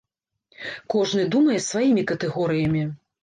Кожны думае сваімі катэгорыямі.